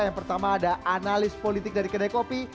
yang pertama ada analis politik dari kedai kopi